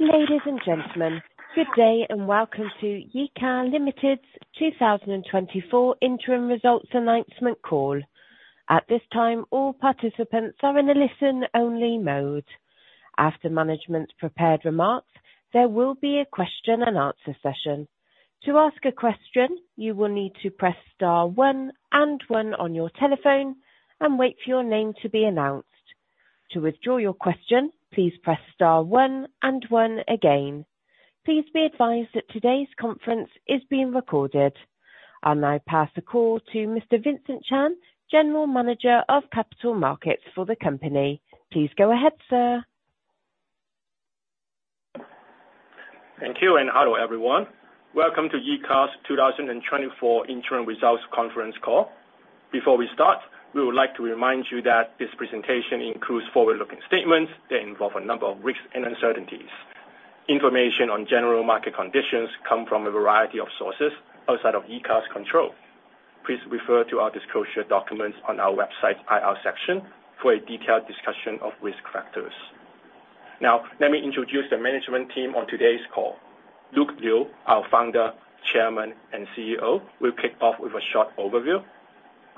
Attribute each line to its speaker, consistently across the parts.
Speaker 1: Ladies and gentlemen, good day and welcome to Yeahka Limited's 2024 interim results announcement call. At this time, all participants are in a listen-only mode. After management's prepared remarks, there will be a question and answer session. To ask a question, you will need to press star one and one on your telephone and wait for your name to be announced. To withdraw your question, please press star one and one again. Please be advised that today's conference is being recorded. I'll now pass the call to Mr. Vincent Chan, General Manager of Capital Markets for the company. Please go ahead, sir.
Speaker 2: Thank you, and hello, everyone. Welcome to Yeahka's 2024 interim results conference call. Before we start, we would like to remind you that this presentation includes forward-looking statements that involve a number of risks and uncertainties. Information on general market conditions come from a variety of sources outside of Yeahka's control. Please refer to our disclosure documents on our website's IR section for a detailed discussion of risk factors. Now, let me introduce the management team on today's call. Luke Liu, our Founder, Chairman, and CEO, will kick off with a short overview.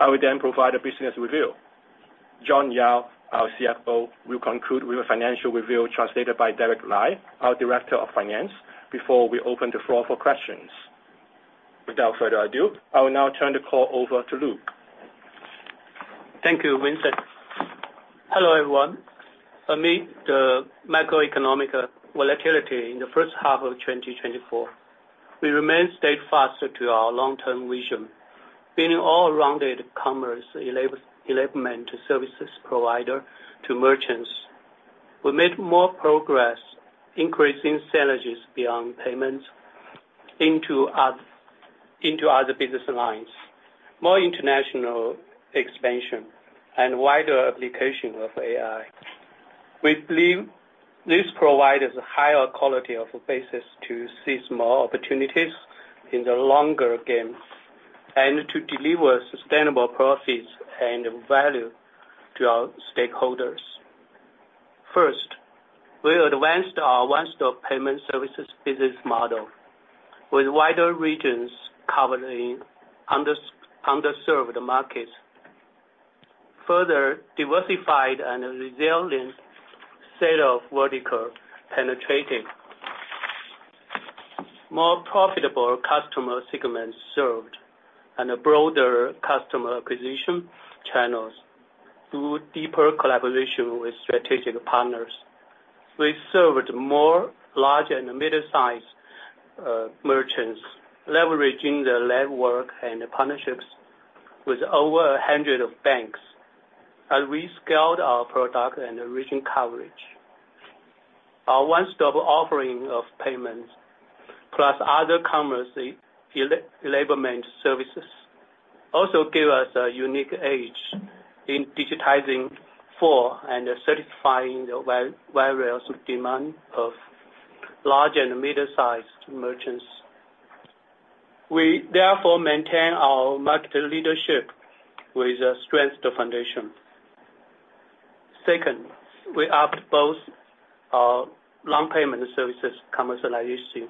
Speaker 2: I will then provide a business review. John Yao, our CFO, will conclude with a financial review, translated by Derek Lai, our Director of Finance, before we open the floor for questions. Without further ado, I will now turn the call over to Luke.
Speaker 3: Thank you, Vincent. Hello, everyone. Amid the macroeconomic volatility in the first half of 2024, we remain steadfast to our long-term vision. Being an all-rounded commerce enablement services provider to merchants, we made more progress increasing synergies beyond payments into other business lines, more international expansion, and wider application of AI. We believe this provides a higher quality of a basis to seize more opportunities in the longer game and to deliver sustainable profits and value to our stakeholders. First, we advanced our one-stop payment services business model with wider regions covering underserved markets, further diversified and resilient set of vertical penetrating. More profitable customer segments served and a broader customer acquisition channels through deeper collaboration with strategic partners. We served more large and mid-sized merchants, leveraging the network and partnerships with over 100 banks and rescaled our product and region coverage. Our one-stop offering of payments, plus other commerce enablement services, also give us a unique edge in digitizing for and satisfying the various demand of large and mid-sized merchants. We therefore maintain our market leadership with a strengthened foundation. Second, we upped both our non-payment services commercialization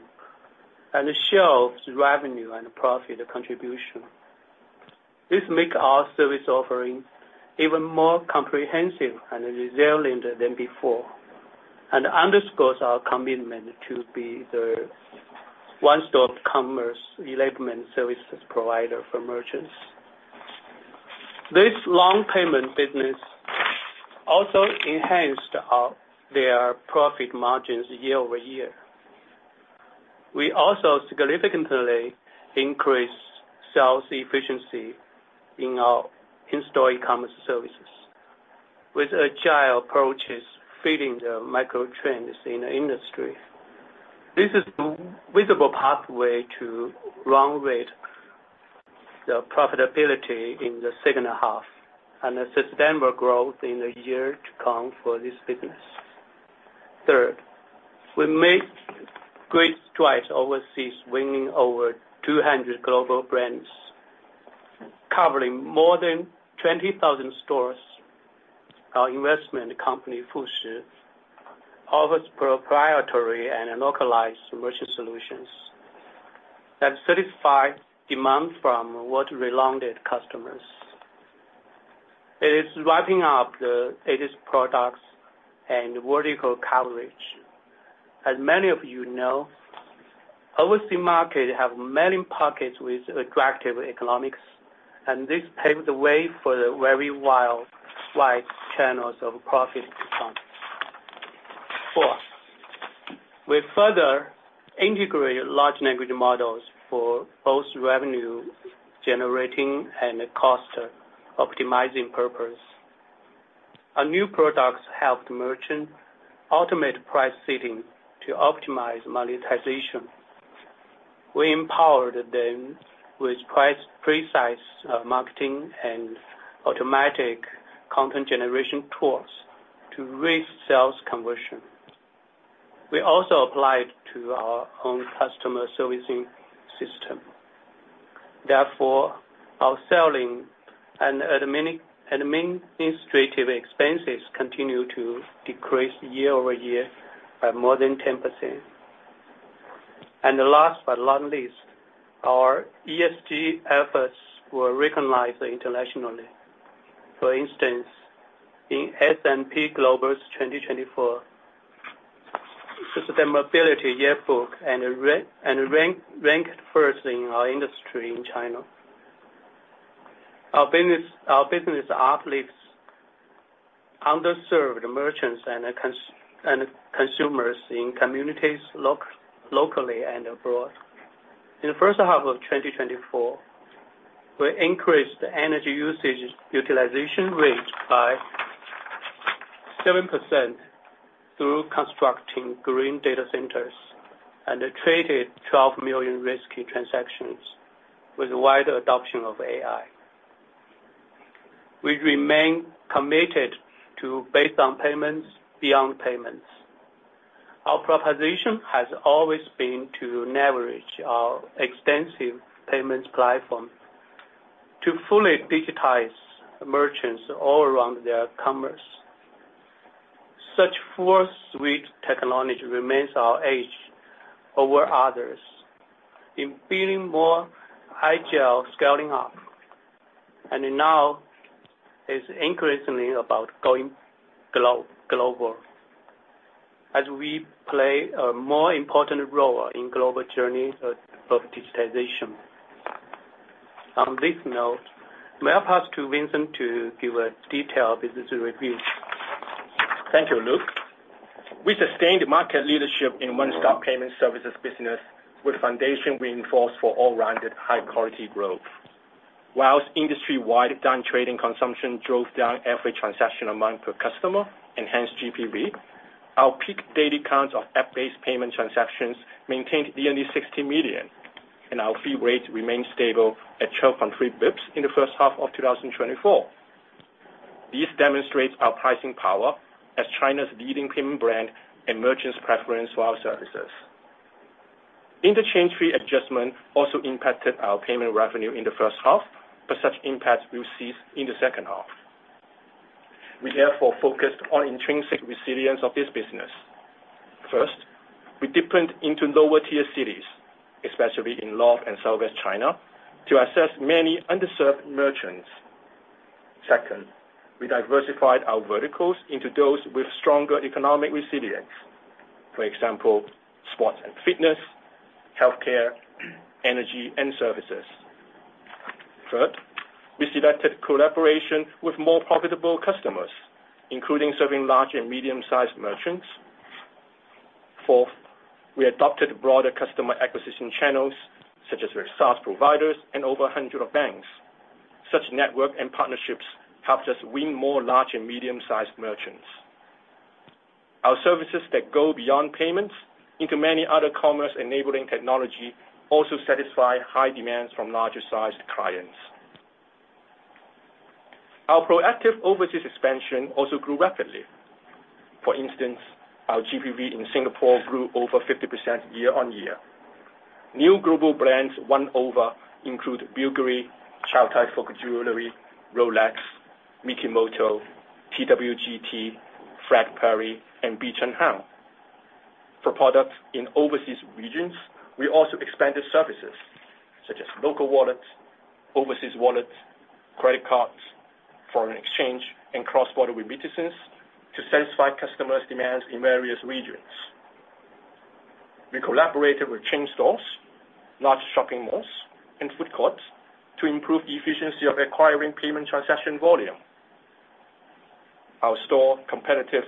Speaker 3: and the share of revenue and profit contribution. This make our service offering even more comprehensive and resilient than before, and underscores our commitment to be the one-stop commerce enablement services provider for merchants. This long payment business also enhanced our, their profit margins year-over-year. We also significantly increased sales efficiency in our in-store e-commerce services with agile approaches fitting the micro trends in the industry. This is the visible pathway to run with the profitability in the second half and a sustainable growth in the year to come for this business. Third, we made great strides overseas, winning over 200 global brands, covering more than 20,000 stores. Our investment company, Fushi, offers proprietary and localized merchant solutions that satisfy demand from world-renowned customers. It is ramping up the latest products and vertical coverage. As many of you know, overseas markets have many pockets with attractive economics, and this paves the way for the very wide channels of profit to come. Fourth, we further integrated large language models for both revenue generating and cost optimizing purposes. Our new products helped merchants automate price setting to optimize monetization. We empowered them with precise pricing marketing and automatic content generation tools to raise sales conversion. We also applied to our own customer servicing system. Therefore, our selling and administrative expenses continue to decrease year-over-year by more than 10%. And last but not least, our ESG efforts were recognized internationally. For instance, in S&P Global's 2024 Sustainability Yearbook, and ranked first in our industry in China. Our business uplifts underserved merchants and consumers in communities locally and abroad. In the first half of 2024, we increased the energy usage utilization rate by 7% through constructing green data centers, and traded 12 million risky transactions with wide adoption of AI. We remain committed to based on payments, beyond payments. Our proposition has always been to leverage our extensive payments platform to fully digitize merchants all around their commerce. Such full suite technology remains our edge over others. In building more agile, scaling up, and now it's increasingly about going global, as we play a more important role in global journey of digitization. On this note, may I pass to Vincent to give a detailed business review?
Speaker 2: Thank you, Luke. We sustained market leadership in one-stop payment services business, with foundation reinforced for all-rounded, high-quality growth. While industry-wide down trading consumption drove down every transaction amount per customer, enhanced GPV, our peak daily counts of app-based payment transactions maintained nearly 60 million, and our fee rate remained stable at 12.3 basis points in the first half of 2024. This demonstrates our pricing power as China's leading payment brand and merchants' preference for our services. Interchange fee adjustment also impacted our payment revenue in the first half, but such impact will cease in the second half. We therefore focused on intrinsic resilience of this business. First, we deepened into lower-tier cities, especially in North and Southwest China, to assess many underserved merchants. Second, we diversified our verticals into those with stronger economic resilience. For example, sports and fitness, healthcare, energy, and services. Third, we selected collaboration with more profitable customers, including serving large and medium-sized merchants. Fourth, we adopted broader customer acquisition channels, such as our SaaS providers and over 100 banks. Such network and partnerships helped us win more large and medium-sized merchants. Our services that go beyond payments into many other commerce-enabling technology, also satisfy high demands from larger-sized clients. Our proactive overseas expansion also grew rapidly. For instance, our GPV in Singapore grew over 50% year-on-year. New global brands won over include Bulgari, Chow Tai Fook Jewelry, Rolex, MIKIMOTO, TWG Tea, Fred Perry, and Bee Cheng Hiang. For products in overseas regions, we also expanded services such as local wallet, overseas wallet, credit cards, foreign exchange, and cross-border remittances to satisfy customers' demands in various regions. We collaborated with chain stores, large shopping malls, and food courts to improve the efficiency of acquiring payment transaction volume. Our store competitive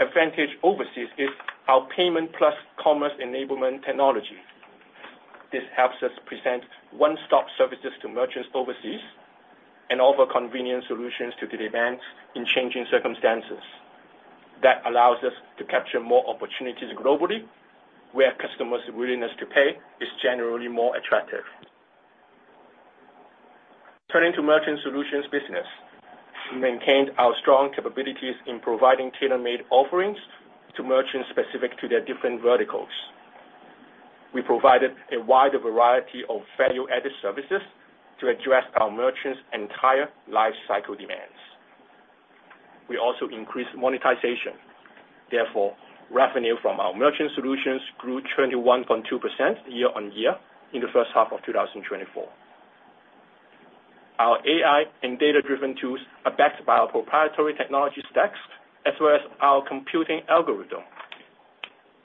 Speaker 2: advantage overseas is our payment plus commerce enablement technology. This helps us present one-stop services to merchants overseas, and offer convenient solutions to the demands in changing circumstances. That allows us to capture more opportunities globally, where customers' willingness to pay is generally more attractive. Turning to merchant solutions business, we maintained our strong capabilities in providing tailor-made offerings to merchants specific to their different verticals. We provided a wider variety of value-added services to address our merchants' entire life cycle demands. We also increased monetization. Therefore, revenue from our merchant solutions grew 21.2% year-on-year in the first half of 2024. Our AI and data-driven tools are backed by our proprietary technology stacks, as well as our computing algorithm.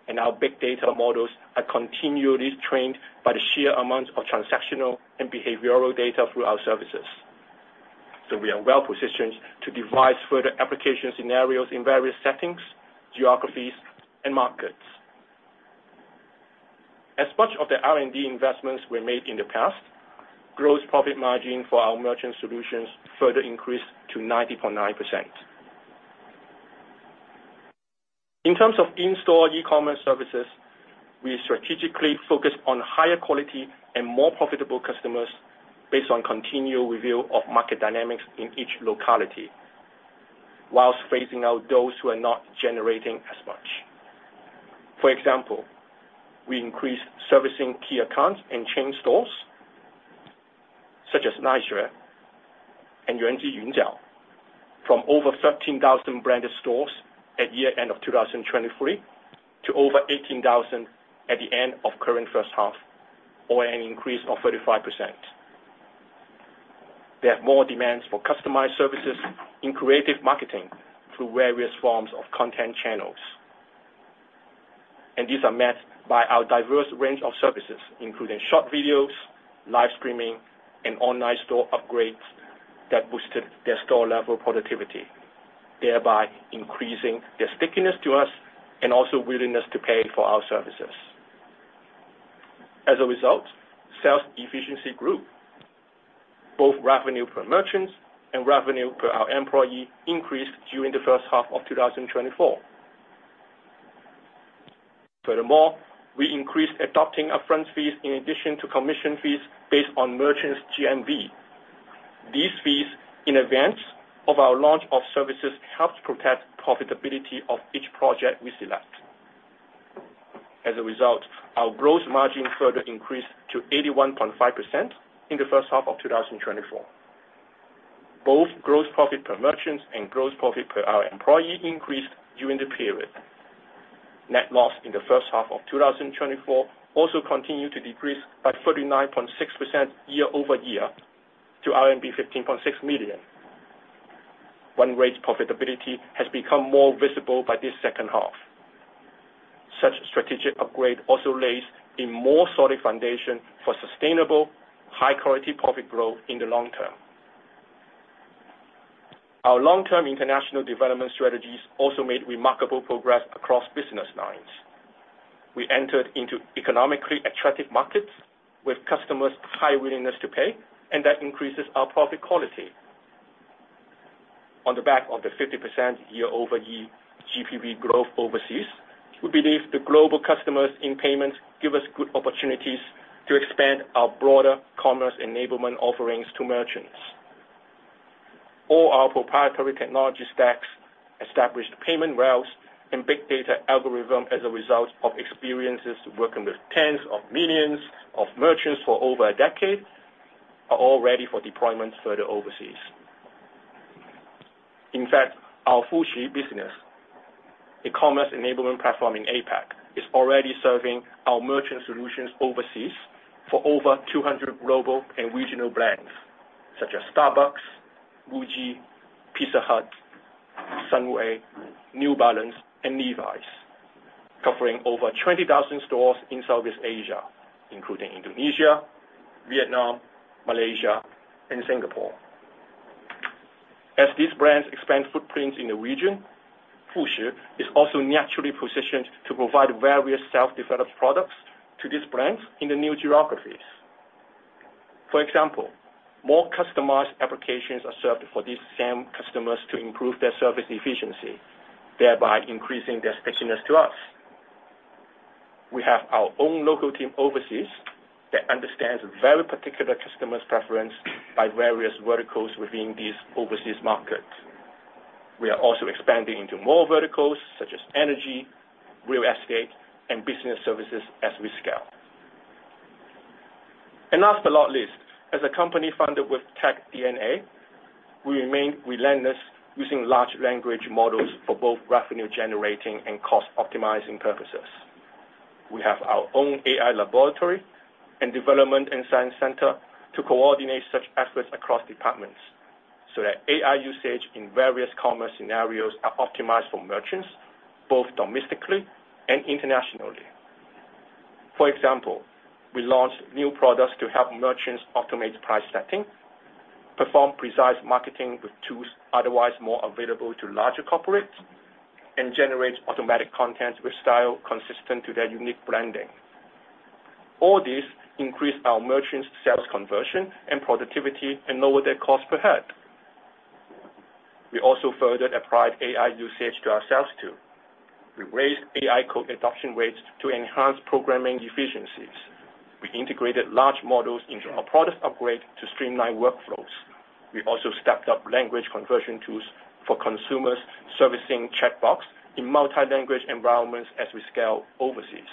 Speaker 2: And our big data models are continually trained by the sheer amount of transactional and behavioral data through our services. We are well positioned to devise further application scenarios in various settings, geographies, and markets. As much of the R&D investments were made in the past, gross profit margin for our merchant solutions further increased to 90.9%. In terms of in-store e-commerce services, we strategically focused on higher quality and more profitable customers based on continual review of market dynamics in each locality, while phasing out those who are not generating as much. For example, we increased servicing key accounts and chain stores, such as Nigeria and Yuanji Yunjiao, from over 13,000 branded stores at year-end of 2023 to over 18,000 at the end of current first half, or an increase of 35%. They have more demands for customized services in creative marketing through various forms of content channels, and these are met by our diverse range of services, including short videos, live streaming, and online store upgrades that boosted their store-level productivity, thereby increasing their stickiness to us and also willingness to pay for our services. As a result, sales efficiency grew. Both revenue per merchants and revenue per our employee increased during the first half of 2024. Furthermore, we increased adopting upfront fees in addition to commission fees based on merchants' GMV. These fees in advance of our launch of services, helps protect profitability of each project we select. As a result, our gross margin further increased to 81.5% in the first half of 2024. Both gross profit per merchants and gross profit per our employee increased during the period. Net loss in the first half of 2024 also continued to decrease by 39.6% year-over-year to RMB 15.6 million. One rate profitability has become more visible by this second half. Such strategic upgrade also lays a more solid foundation for sustainable, high-quality profit growth in the long term. Our long-term international development strategies also made remarkable progress across business lines. We entered into economically attractive markets with customers' high willingness to pay, and that increases our profit quality. On the back of the 50% year-over-year GPV growth overseas, we believe the global customers in payments give us good opportunities to expand our broader commerce enablement offerings to merchants. All our proprietary technology stacks, established payment routes, and big data algorithm as a result of experiences working with tens of millions of merchants for over a decade, are all ready for deployment further overseas. In fact, our Fushi business, e-commerce enablement platform in APAC, is already serving our merchant solutions overseas for over 200 global and regional brands, such as Starbucks, MUJI, Pizza Hut, Sunway, New Balance, and Levi's. Covering over 20,000 stores in Southeast Asia, including Indonesia, Vietnam, Malaysia, and Singapore. As these brands expand footprints in the region, Fushi is also naturally positioned to provide various self-developed products to these brands in the new geographies. For example, more customized applications are served for these same customers to improve their service efficiency, thereby increasing their stickiness to us. We have our own local team overseas that understands very particular customers' preference by various verticals within these overseas markets. We are also expanding into more verticals, such as energy, real estate, and business services as we scale. And last but not least, as a company founded with tech DNA, we remain relentless using large language models for both revenue generating and cost optimizing purposes. We have our own AI laboratory and development and science center to coordinate such efforts across departments, so that AI usage in various commerce scenarios are optimized for merchants, both domestically and internationally. For example, we launched new products to help merchants automate price setting, perform precise marketing with tools otherwise more available to larger corporates, and generate automatic content with style consistent to their unique branding. All this increased our merchants' sales conversion and productivity, and lower their cost per head. We also further applied AI usage to ourselves, too. We raised AI code adoption rates to enhance programming efficiencies. We integrated large models into our product upgrade to streamline workflows. We also stepped up language conversion tools for consumers servicing checkbox in multi-language environments as we scale overseas.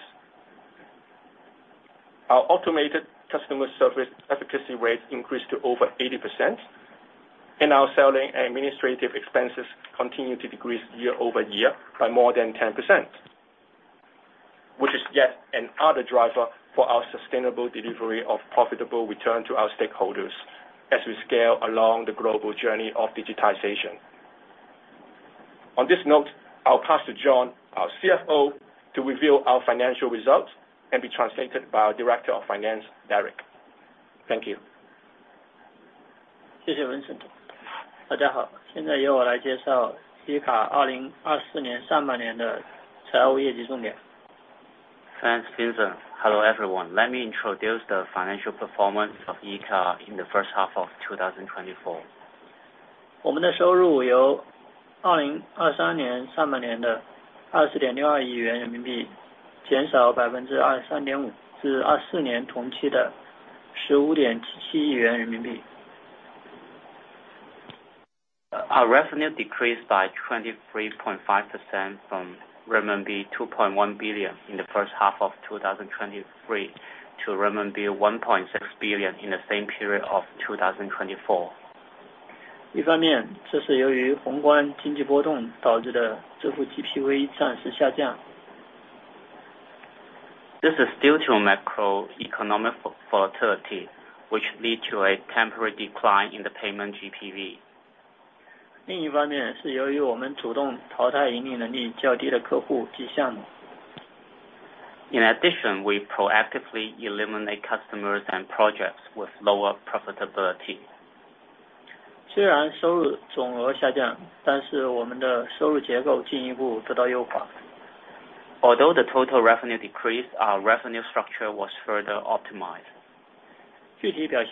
Speaker 2: Our automated customer service efficacy rate increased to over 80%, and our selling and administrative expenses continued to decrease year-over-year by more than 10%, which is yet another driver for our sustainable delivery of profitable return to our stakeholders as we scale along the global journey of digitization. On this note, I'll pass to John, our CFO, to reveal our financial results and be translated by our Director of Finance, Derek. Thank you.
Speaker 4: Thanks, Vincent. [Foreign Lanuage] Hello, everyone. Let me introduce the financial performance of Yeahka in the first half of 2024. [Foreign Lanuage] Our revenue decreased by 23.5% from RMB 2.1 billion in the first half of 2023 to RMB 1.6 billion in the same period of 2024. [Foreign Lanuage] This is due to macroeconomic volatility, which lead to a temporary decline in the payment GPV. [Foreign Lanuage] In addition, we proactively eliminate customers and projects with lower profitability. [Foreign Lanuage] Although the total revenue decreased, our revenue structure was further optimized. [Foreign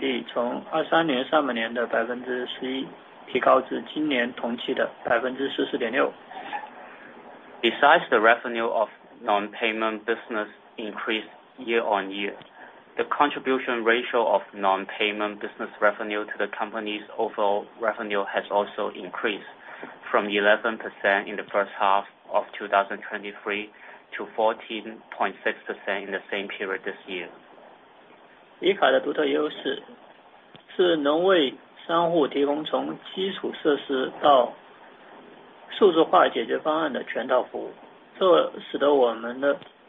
Speaker 4: Lanuage] Besides, the revenue of non-payment business increased year-on-year. The contribution ratio of non-payment business revenue to the company's overall revenue has also increased from 11% in the first half of 2023 to 14.6% in the same period this year. Yeahka's [Foreign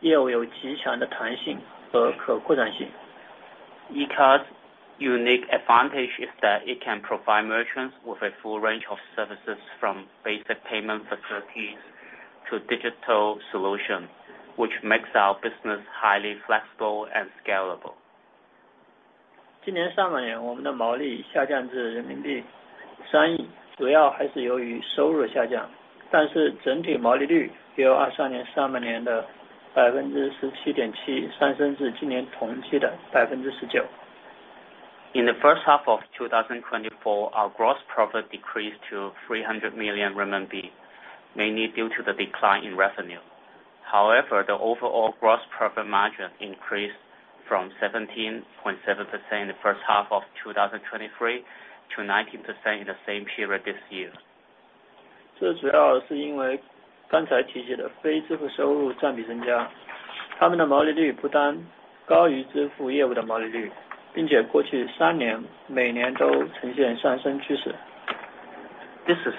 Speaker 4: Lanuage] unique advantage is that it can provide merchants with a full range of services, from basic payment facilities to digital solutions, which makes our business highly flexible and scalable. [Foreign Lanuage] In the first half of 2024, our gross profit decreased to 300 million RMB, mainly due to the decline in revenue. However, the overall gross profit margin increased from 17.7% in the first half of 2023 to 19% in the same period this year. [Foreign Lanuage] This is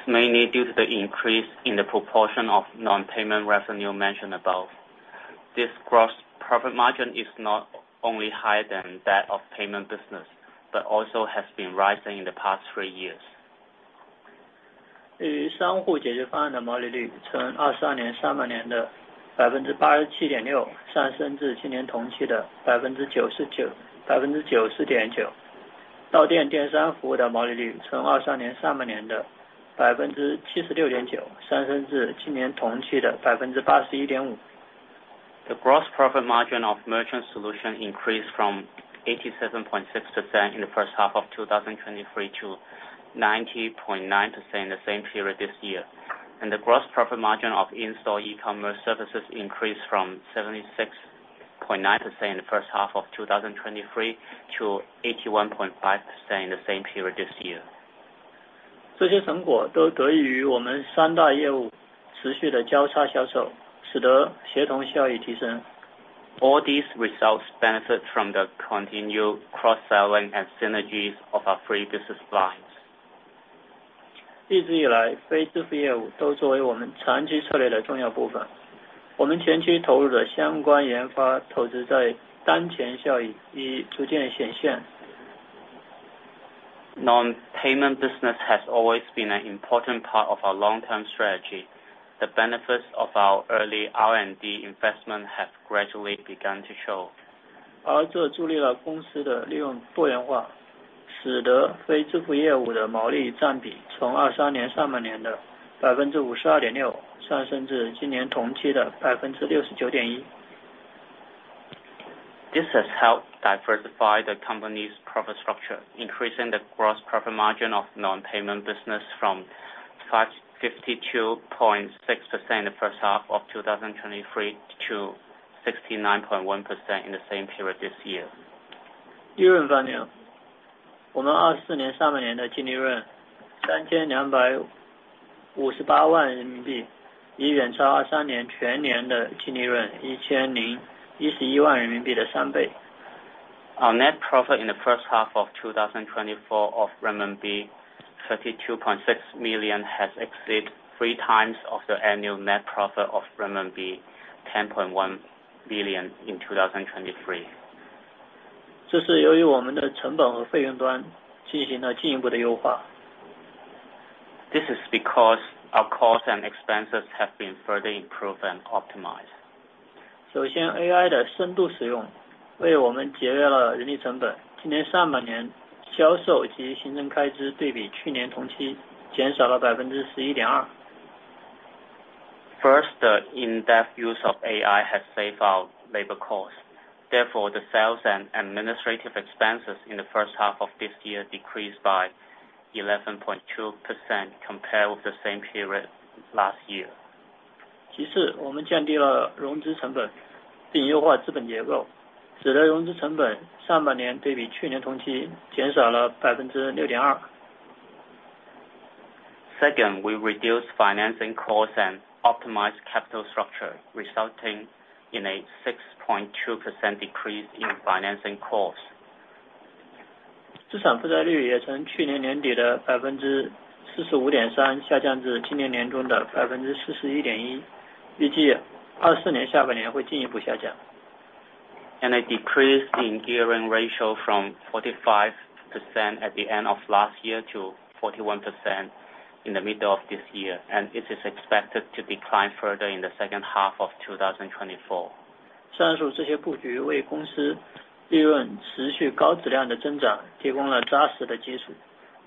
Speaker 4: mainly due to the increase in the proportion of non-payment revenue mentioned above. This gross profit margin is not only higher than that of payment business, but also has been rising in the past three years. [Foreign Lanuage] The gross profit margin of merchant solution increased from 87.6% in the first half of 2023 to 90.9% in the same period this year. And the gross profit margin of in-store e-commerce services increased from 76.9% in the first half of 2023 to 81.5% in the same period this year. [Foreign Lanuage] All these results benefit from the continued cross-selling and synergies of our three business lines. [Foreign Lanuage] Non-payment business has always been an important part of our long-term strategy. The benefits of our early R&D investment have gradually begun to show. [Foreign Lanuage] This has helped diversify the company's profit structure, increasing the gross profit margin of non-payment business 52.6% from in the first half of 2023 to 69.1% in the same period this year. [Foreign Lanuage] Our net profit in the first half of 2024 of RMB 32.6 million has exceeded three times of the annual net profit of RMB 10.1 billion in 2023. [Foreign Lanuage] This is because our costs and expenses have been further improved and optimized. [Foreign Lanuage] First, the in-depth use of AI has saved our labor costs. Therefore, the sales and administrative expenses in the first half of this year decreased by 11.2% compared with the same period last year. [Foreign Lanuage] Second, we reduced financing costs and optimized capital structure, resulting in a 6.2% decrease in financing costs [Foreign Lanuage] and a decrease in gearing ratio from 45% at the end of last year to 41% in the middle of this year, and it is expected to decline further in the second half of 2024. [Foreign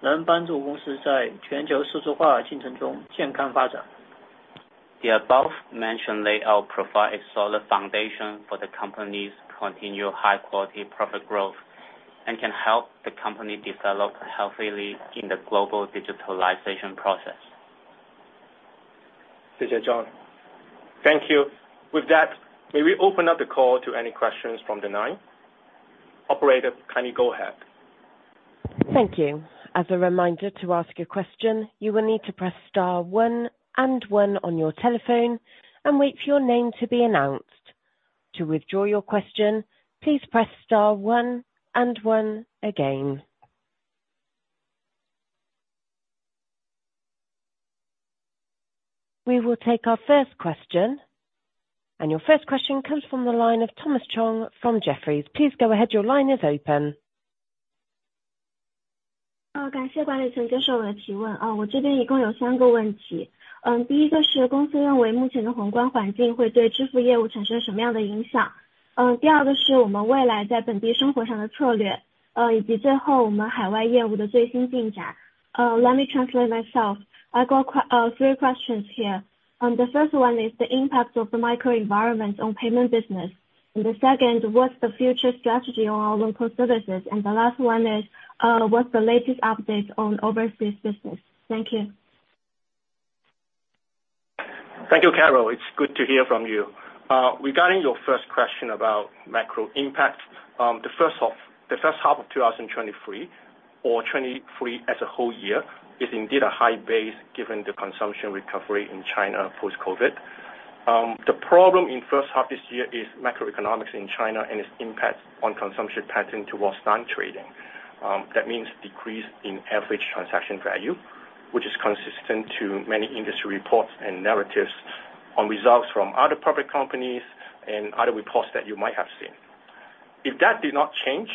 Speaker 4: Lanuage] The above-mentioned layout provides a solid foundation for the company's continued high-quality profit growth, and can help the company develop healthily in the global digitalization process.
Speaker 5: Thank you, John.
Speaker 2: Thank you. With that, may we open up the call to any questions from the line? Operator, can you go ahead.
Speaker 1: Thank you. As a reminder, to ask a question, you will need to press star one and one on your telephone and wait for your name to be announced. To withdraw your question, please press star one and one again. We will take our first question, and your first question comes from the line of Thomas Chong from Jefferies. Please go ahead. Your line is open.
Speaker 6: Let me translate myself. I got three questions here. The first one is the impact of the microenvironment on payment business, and the second, what's the future strategy on our local services? and the last one is, what's the latest update on overseas business? Thank you.
Speaker 2: Thank you, Carol. It's good to hear from you. Regarding your first question about macro impact, the first half of 2023, or 2023 as a whole year, is indeed a high base given the consumption recovery in China post-COVID. The problem in first half this year is macroeconomics in China and its impact on consumption pattern towards non-trading. That means decrease in average transaction value, which is consistent to many industry reports and narratives on results from other public companies and other reports that you might have seen. If that did not change,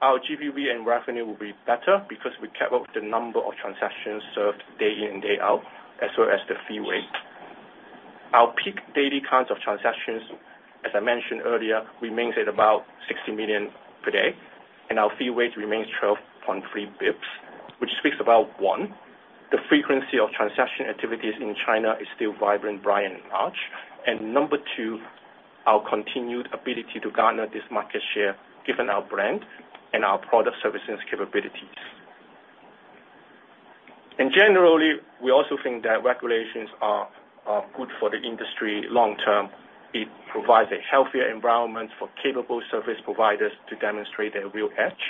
Speaker 2: our GPV and revenue will be better because we kept up with the number of transactions served day in and day out, as well as the fee rate. Our peak daily counts of transactions, as I mentioned earlier, remains at about 60 million per day, and our fee rate remains 12.3 basis points, which speaks about one, the frequency of transaction activities in China is still vibrant, bright, and large, and number two, our continued ability to garner this market share, given our brand and our product services capabilities, and generally, we also think that regulations are good for the industry long term. It provides a healthier environment for capable service providers to demonstrate their real edge.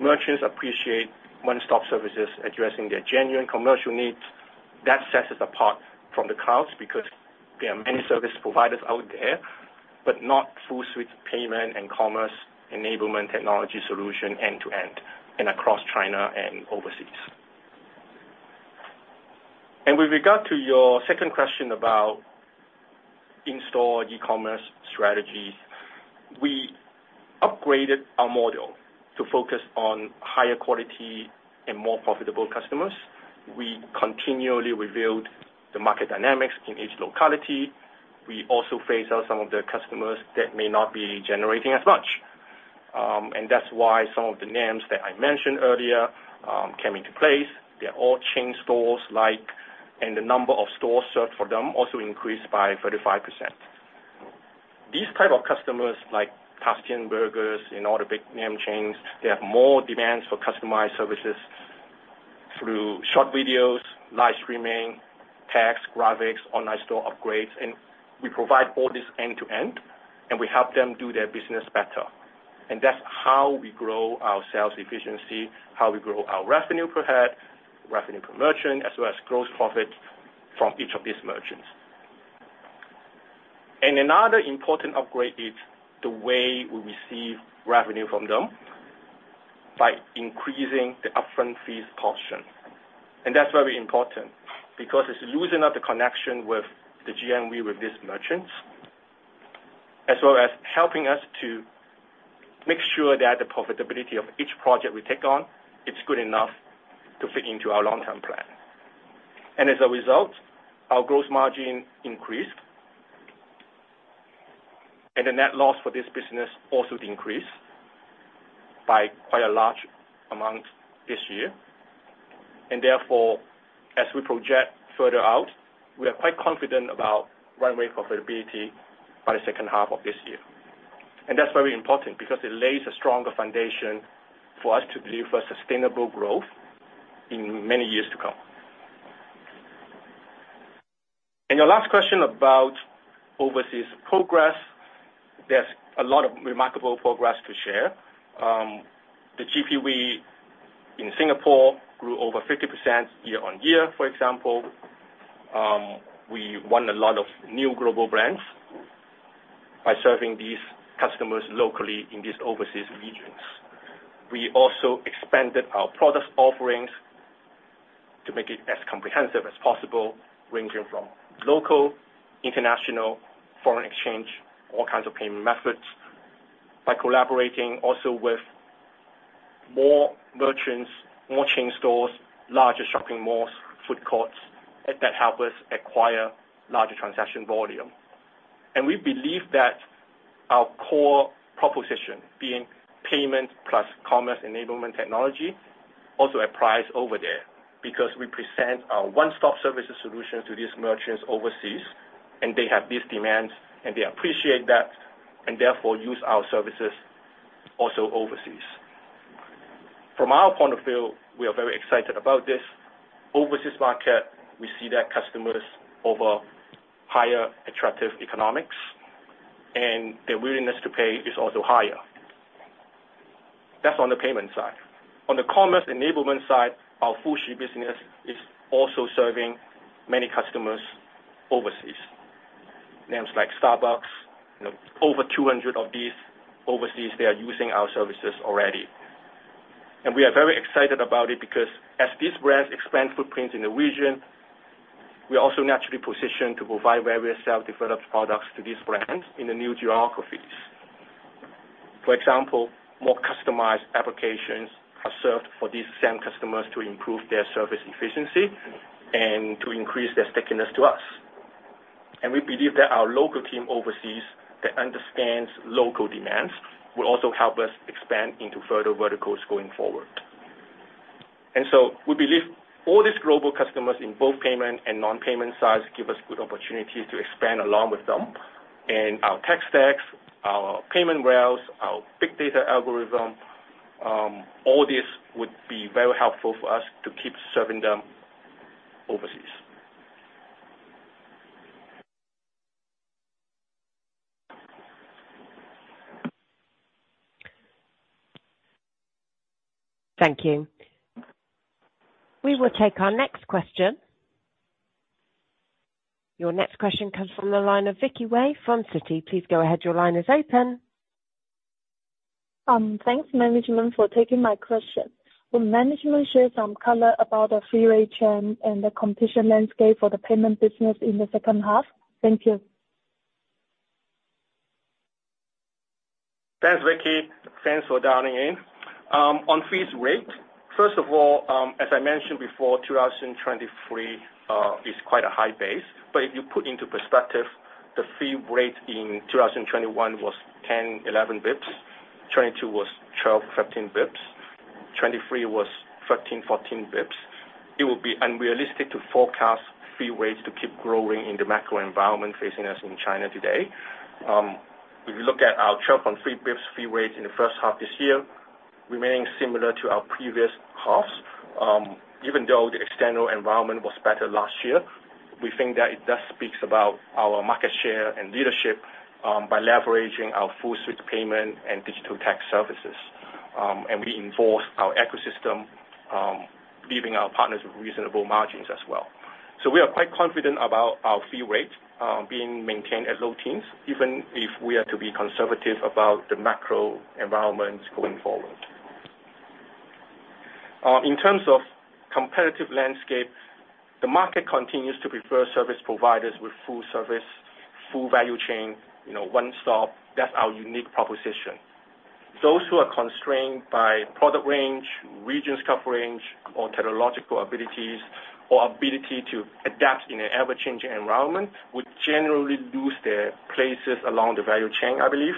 Speaker 2: Merchants appreciate one-stop services addressing their genuine commercial needs. That sets us apart from the crowd, because there are many service providers out there, but not full suite payment and commerce enablement technology solution end-to-end, and across China and overseas. With regard to your second question about in-store e-commerce strategy, we upgraded our model to focus on higher quality and more profitable customers. We continually reviewed the market dynamics in each locality. We also phase out some of the customers that may not be generating as much. And that's why some of the names that I mentioned earlier came into place. They're all chain stores. The number of stores served for them also increased by 35%. These type of customers, like Tastien and all the big name chains, they have more demands for customized services through short videos, live streaming, text, graphics, online store upgrades, and we provide all this end-to-end, and we help them do their business better. And that's how we grow our sales efficiency, how we grow our revenue per head, revenue per merchant, as well as gross profit from each of these merchants. And another important upgrade is the way we receive revenue from them, by increasing the upfront fees portion. And that's very important, because it's loosening up the connection with the GMV with these merchants, as well as helping us to make sure that the profitability of each project we take on, it's good enough to fit into our long-term plan. And as a result, our gross margin increased, and the net loss for this business also increased by quite a large amount this year. And therefore, as we project further out, we are quite confident about runway profitability by the second half of this year. That's very important because it lays a stronger foundation for us to deliver sustainable growth in many years to come. Your last question about overseas progress, there's a lot of remarkable progress to share. The GPV in Singapore grew over 50% year-on-year, for example. We won a lot of new global brands by serving these customers locally in these overseas regions. We also expanded our product offerings to make it as comprehensive as possible, ranging from local, international, foreign exchange, all kinds of payment methods, by collaborating also with more merchants, more chain stores, larger shopping malls, food courts that help us acquire larger transaction volume. We believe that our core proposition, being payment plus commerce enablement technology, also applies over there. Because we present our one-stop services solution to these merchants overseas, and they have these demands, and they appreciate that, and therefore use our services also overseas. From our point of view, we are very excited about this overseas market. We see that customers offer higher attractive economics, and their willingness to pay is also higher. That's on the payment side. On the commerce enablement side, our full suite business is also serving many customers overseas. Names like Starbucks, you know, over 200 of these overseas, they are using our services already, and we are very excited about it, because as these brands expand footprint in the region, we are also naturally positioned to provide various self-developed products to these brands in the new geographies. For example, more customized applications are served for these same customers to improve their service efficiency and to increase their stickiness to us. We believe that our local team overseas, that understands local demands, will also help us expand into further verticals going forward. So we believe all these global customers, in both payment and non-payment sides, give us good opportunity to expand along with them. Our tech stacks, our payment rails, our big data algorithm, all this would be very helpful for us to keep serving them overseas.
Speaker 1: Thank you. We will take our next question. Your next question comes from the line of Vicky Wei from Citi. Please go ahead, your line is open.
Speaker 7: Thanks, management, for taking my question. Will management share some color about the fee rate trend and the competition landscape for the payment business in the second half? Thank you.
Speaker 2: Thanks, Vicky. Thanks for dialing in. On fee rate, first of all, as I mentioned before,2023 is quite a high base, but if you put into perspective, the fee rate in 2021 was 10-11 basis points, 2022 was 12-13 basis points, 2023 was 13-14 basis points. It would be unrealistic to forecast fee rates to keep growing in the macro environment facing us in China today. If you look at our churn on 3 basis points fee rate in the first half this year, remaining similar to our previous halves, even though the external environment was better last year, we think that it does speaks about our market share and leadership, by leveraging our full suite payment and digital tech services, and we enhance our ecosystem, leaving our partners with reasonable margins as well. We are quite confident about our fee rate being maintained at low teens, even if we are to be conservative about the macro environment going forward. In terms of competitive landscape, the market continues to prefer service providers with full service, full value chain, you know, one-stop. That's our unique proposition. Those who are constrained by product range, regional coverage, or technological abilities, or ability to adapt in an ever-changing environment, would generally lose their places along the value chain, I believe.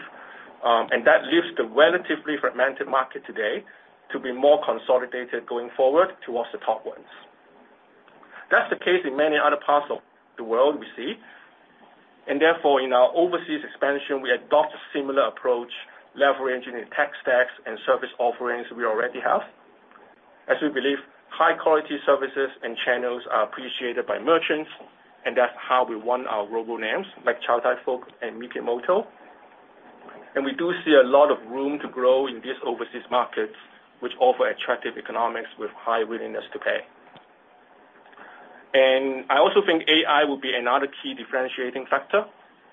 Speaker 2: That leaves the relatively fragmented market today to be more consolidated going forward towards the top ones. That's the case in many other parts of the world, we see. And therefore, in our overseas expansion, we adopt a similar approach, leveraging the tech stacks and service offerings we already have, as we believe high-quality services and channels are appreciated by merchants, and that's how we won our global names like Chow Tai Fook and MIKIMOTO. And we do see a lot of room to grow in these overseas markets, which offer attractive economics with high willingness to pay. And I also think AI will be another key differentiating factor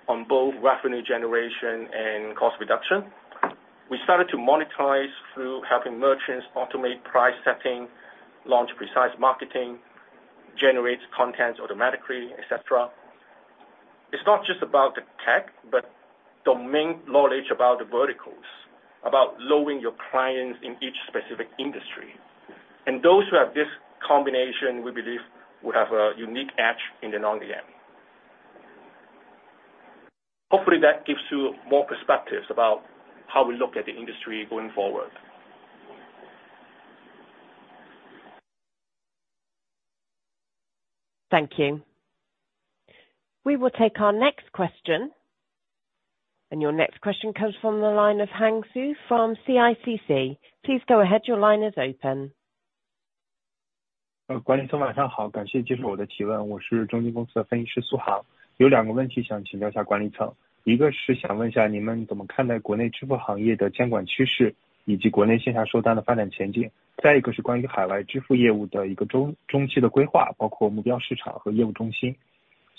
Speaker 2: on both revenue generation and cost reduction. We started to monetize through helping merchants automate price setting, launch precise marketing, generates content automatically, et cetera. It's not just about the tech, but domain knowledge about the verticals, about knowing your clients in each specific industry. And those who have this combination, we believe will have a unique edge in the long end. Hopefully, that gives you more perspectives about how we look at the industry going forward.
Speaker 1: Thank you. We will take our next question, and your next question comes from the line of Hang Su from CICC. Please go ahead. Your line is open.
Speaker 8: „管理层，晚上好。感谢接受我的提问。我是中金公司的分析师，苏航。有两个问题想请教下管理层，一个是想问下，你们怎么看待国内支付行业的监管趋势，以及国内线下收单的发展前景？再一个，是关于海外支付业务的一个中期规划，包括目标市场和业务中心。"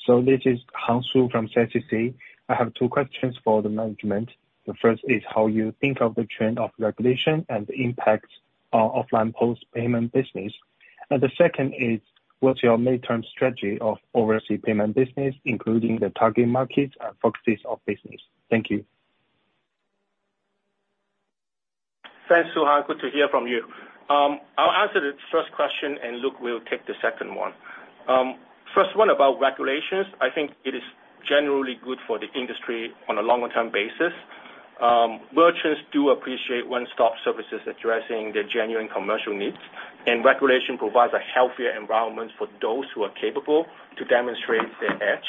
Speaker 8: So this is Hang Su from CICC. I have two questions for the management. The first is how you think of the trend of regulation and the impact on offline POS payment business. And the second is, what's your midterm strategy of overseas payment business, including the target markets and focuses of business? Thank you.
Speaker 2: Thanks, Hang Su, good to hear from you. I'll answer the first question, and Luke will take the second one. First, one about regulations. I think it is generally good for the industry on a longer term basis. Merchants do appreciate one-stop services addressing their genuine commercial needs, and regulation provides a healthier environment for those who are capable to demonstrate their edge.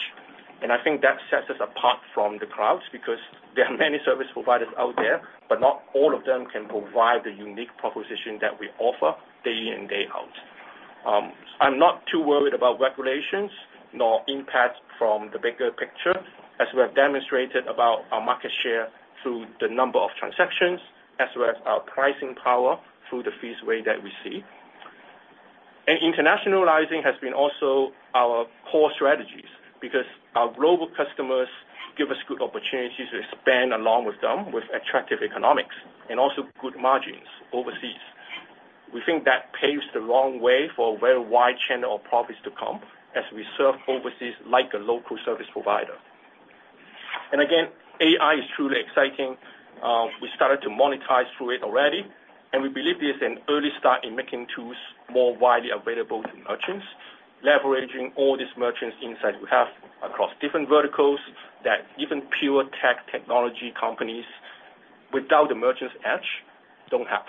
Speaker 2: And I think that sets us apart from the crowd, because there are many service providers out there, but not all of them can provide the unique proposition that we offer day in and day out. I'm not too worried about regulations nor impact from the bigger picture, as we have demonstrated about our market share through the number of transactions, as well as our pricing power through the fees we see. And internationalizing has been also our core strategies, because our global customers give us good opportunities to expand along with them with attractive economics and also good margins overseas. We think that paves the way for a very wide channel of profits to come, as we serve overseas like a local service provider. And again, AI is truly exciting. We started to monetize through it already, and we believe this is an early start in making tools more widely available to merchants, leveraging all these merchants' insights we have across different verticals, that even pure tech companies without the merchant's edge don't have.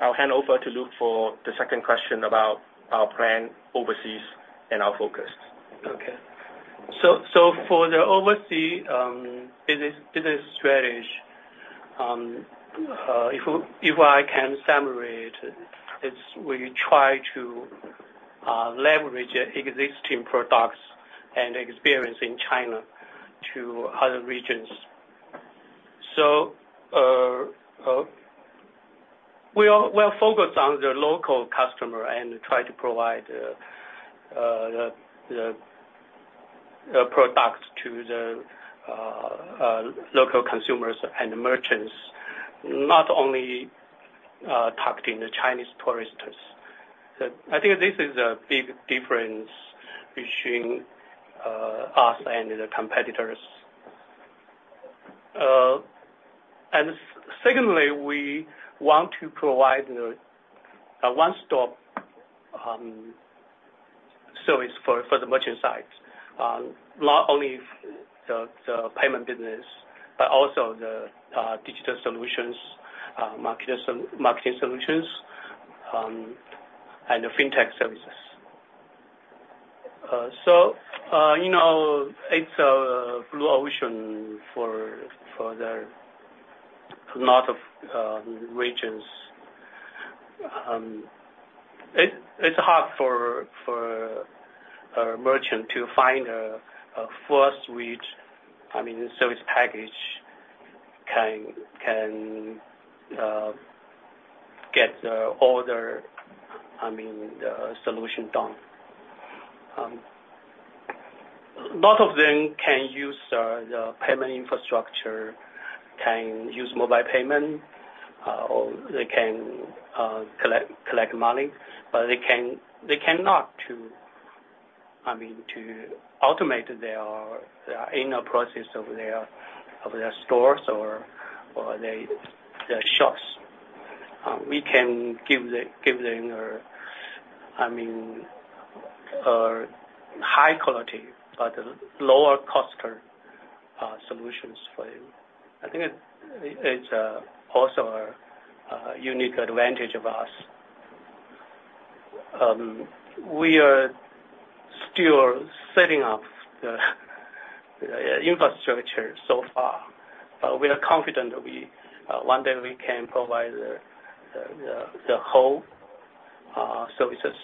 Speaker 2: I'll hand over to Luke for the second question about our plan overseas and our focus.
Speaker 3: Okay. For the overseas business strategy, if I can summarize it, it's we try to leverage existing products and experience in China to other regions. We are focused on the local customer and try to provide the product to the local consumers and merchants, not only targeting the Chinese tourists. I think this is a big difference between us and the competitors. Secondly, we want to provide a one-stop service for the merchant side. Not only the payment business, but also the digital solutions, marketing solutions, and the fintech services. You know, it's a blue ocean for a lot of regions. It's hard for a merchant to find a full suite, I mean, service package that can get the order, I mean, the solution done. A lot of them can use the payment infrastructure, can use mobile payment, or they can collect money, but they cannot to, I mean, to automate their inner process of their stores or their shops. We can give them a, I mean, a high quality but lower cost solutions for you. I think it's also a unique advantage of us. We are still setting up the infrastructure so far, but we are confident that we one day can provide the whole services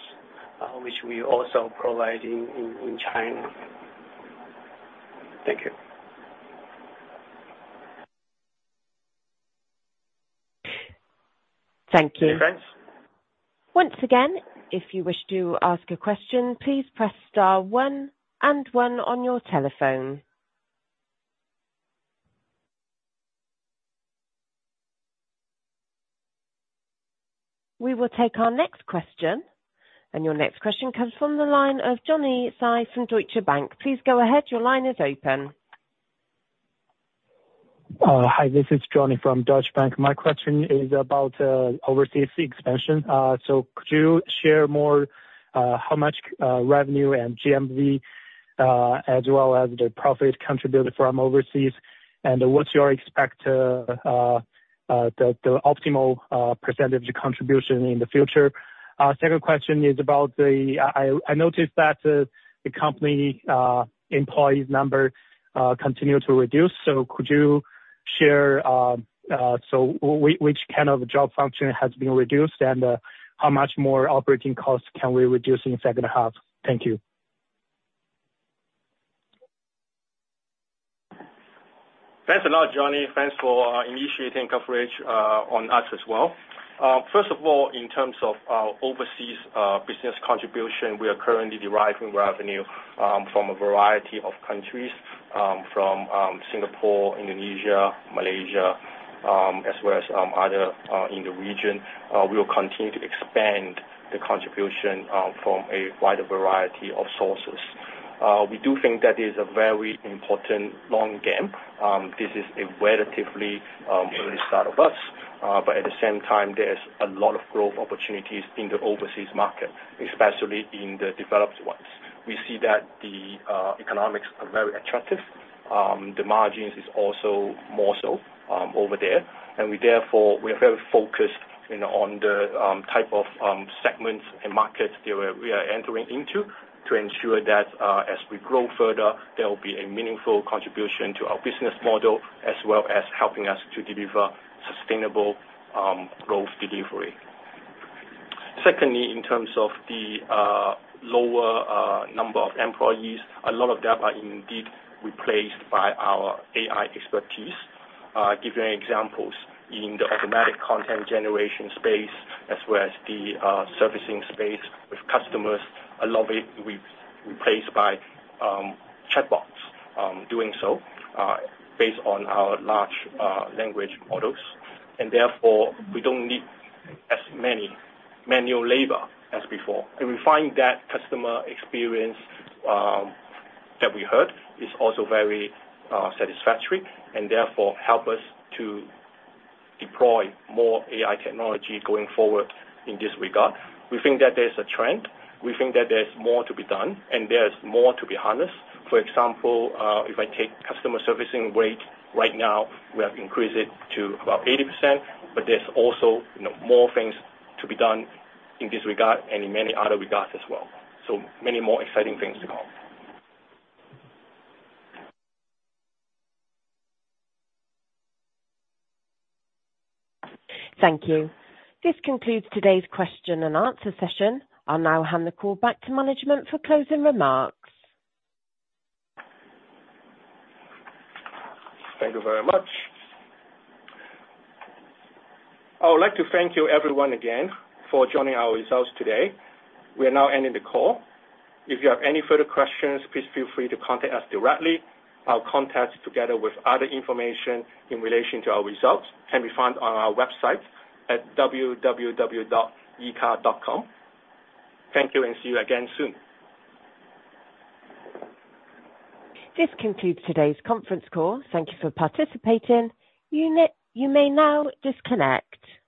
Speaker 3: which we also provide in China. Thank you.
Speaker 8: Thank you.
Speaker 3: Thanks.
Speaker 1: Once again, if you wish to ask a question, please press star one and one on your telephone. We will take our next question, and your next question comes from the line of Johnny Tsai from Deutsche Bank. Please go ahead, your line is open.
Speaker 9: Hi, this is Johnny from Deutsche Bank. My question is about overseas expansion. So could you share more how much revenue and GMV as well as the profit contributed from overseas? And what's your expectation of the optimal percentage of contribution in the future? Second question is about the. I noticed that the company employees number continue to reduce. So could you share which kind of job function has been reduced, and how much more operating costs can we reduce in the second half? Thank you.
Speaker 2: Thanks a lot, Johnny. Thanks for initiating coverage on us as well. First of all, in terms of our overseas business contribution, we are currently deriving revenue from a variety of countries from Singapore, Indonesia, Malaysia, as well as other in the region. We will continue to expand the contribution from a wider variety of sources. We do think that is a very important long game. This is a relatively early start of us but at the same time, there's a lot of growth opportunities in the overseas market, especially in the developed ones. We see that the economics are very attractive. The margins is also more so over there. And we therefore, we are very focused, you know, on the type of segments and markets that we are entering into to ensure that as we grow further, there will be a meaningful contribution to our business model, as well as helping us to deliver sustainable growth delivery. Secondly, in terms of the lower number of employees, a lot of that are indeed replaced by our AI expertise. Giving examples, in the automatic content generation space, as well as the servicing space with customers, a lot of it we've replaced by chatbots, doing so based on our large language models. And therefore, we don't need as many manual labor as before. We find that customer experience that we heard is also very satisfactory and therefore help us to deploy more AI technology going forward in this regard. We think that there's a trend. We think that there's more to be done and there's more to be harnessed. For example, if I take customer servicing rate right now, we have increased it to about 80%, but there's also, you know, more things to be done in this regard and in many other regards as well. Many more exciting things to come.
Speaker 1: Thank you. This concludes today's question and answer session. I'll now hand the call back to management for closing remarks.
Speaker 2: Thank you very much. I would like to thank you everyone again for joining our results today. We are now ending the call. If you have any further questions, please feel free to contact us directly. Our contacts, together with other information in relation to our results, can be found on our website at www.yeahka.com. Thank you, and see you again soon.
Speaker 1: This concludes today's conference call. Thank you for participating. You may now disconnect.